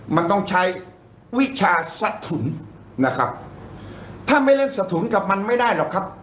มันต้องใช้วิชาสะทุนนะครับถ้าไม่เล่นสถุนกับมันไม่ได้หรอกครับ